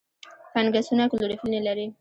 فنګسونه کلوروفیل نه لري.